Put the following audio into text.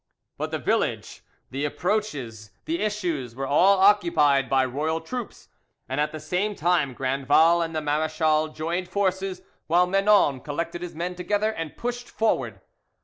But the village, the approaches, the issues were all occupied by royal troops, and at the same time Grandval and the marechal joined forces, while Menon collected his men together and pushed forward.